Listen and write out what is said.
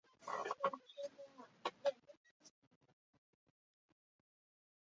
科连诺耶农村居民点是俄罗斯联邦沃罗涅日州卡拉切耶夫斯基区所属的一个农村居民点。